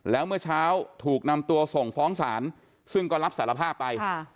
แล้วเมื่อเช้าถูกนำตัวส่งฟ้องศาลซึ่งก็รับสารภาพไป